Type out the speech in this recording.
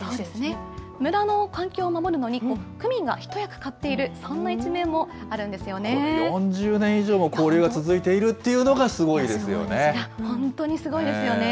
村の環境を守るのに、区民が一役買っている、そんな一面もあ４０年以上も交流が続いていいや、本当にすごいですよね。